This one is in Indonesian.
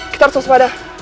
kita harus bersepada